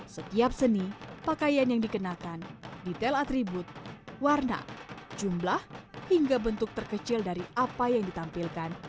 setiap seni pakaian yang dikenakan detail atribut warna jumlah hingga bentuk terkecil dari apa yang ditampilkan